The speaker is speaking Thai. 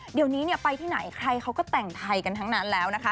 เดี๋ยวนี้ไปที่ไหนใครเขาก็แต่งไทยกันทั้งนั้นแล้วนะคะ